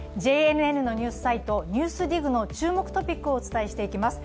ＪＮＮのニュースサイト「ＮＥＷＳＤＩＧ」の注目トピックをお伝えしていきます。